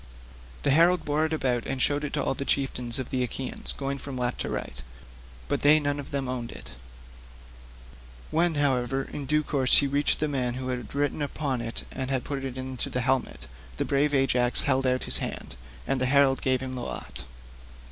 The herald bore it about and showed it to all the chieftains of the Achaeans, going from left to right; but they none of them owned it. When, however, in due course he reached the man who had written upon it and had put it into the helmet, brave Ajax held out his hand, and the herald gave him the lot.